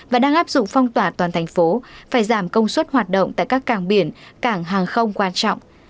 và đang áp dụng phong tỏa toàn thành phố phải giảm công suất hoạt động tại các cảng biển cảng hàng không quan trọng